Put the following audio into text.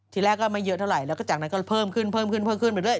ทีแรกก็ไม่เยอะเท่าไหร่แล้วก็จากนั้นก็เพิ่มขึ้นไปเรื่อย